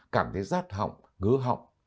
cảm thấy rát họng ngứa họng